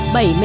bảy đảng viên